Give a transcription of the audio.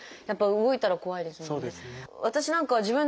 やっぱり動いたら怖いですもんね。